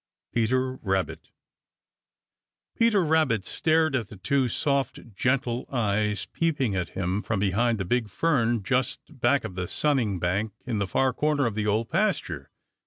Peter Rabbit. Peter Rabbit stared at the two soft, gentle eyes peeping at him from behind the big fern just back of the sunning bank in the far corner of the Old Pasture.